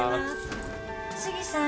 杉さん